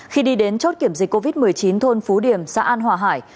khi đi đến chốt kiểm dịch covid một mươi chín thôn phú điểm xã an hòa hải